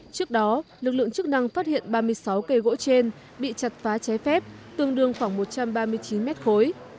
trước đó lực lượng chức năng phát hiện ba mươi sáu cây gỗ trên bị chặt phá cháy phép tương đương khoảng một trăm ba mươi chín mét khối